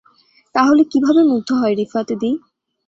তাহলে কীভাবে মুগ্ধ হয় রিফাত দ্বি।